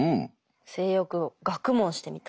「性欲を学問してみた」。